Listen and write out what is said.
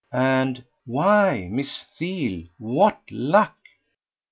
and "Why Miss Theale: what luck!"